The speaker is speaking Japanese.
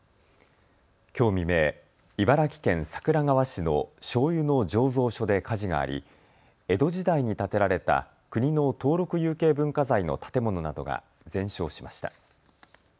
きょう未明、茨城県桜川市のしょうゆの醸造所で火事があり江戸時代に建てられた国の登録有形文化財の建物などが全焼しました。